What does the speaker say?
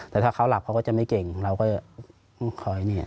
แต่ถ้าเขาหลับเขาก็จะไม่เก่งเราก็คอยเนี่ย